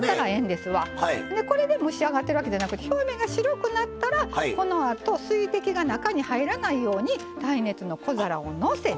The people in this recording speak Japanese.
でこれで蒸し上がってるわけじゃなくて表面が白くなったらこのあと水滴が中に入らないように耐熱の小皿をのせて。